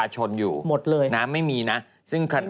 พระพุทธรูปสูงเก้าชั้นหมายความว่าสูงเก้าชั้น